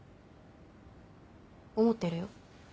思ってるよ。